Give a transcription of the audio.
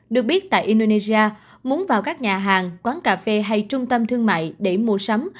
được biết tại indonesia muốn vào các nhà hàng quán cà phê hay trung tâm thương mại để mua sắm